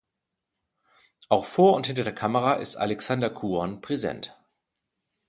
Auch vor und hinter der Kamera ist Alexander Khuon präsent.